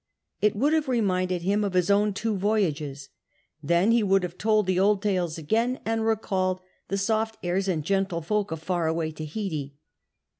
It would have reminded him of his own two voyages. Then he woujd have told the old tales again, and recalled the soft airs and gentle folk of far away Tahiti.